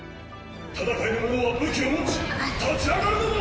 戦える者は武器を持ち立ち上がるのだ！